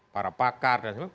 para pakar dan semua